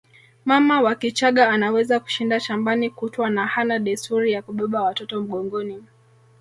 Mama wa Kichagga anaweza kushinda shambani kutwa na hana desturi ya kubeba watoto mgongoni